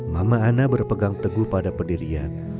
mama ana berpegang teguh pada pendirian